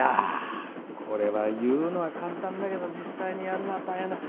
これは言うのは簡単だけど実際にやるのは大変だ。